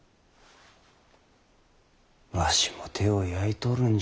わしも手を焼いとるんじゃ。